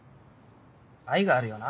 愛があるよな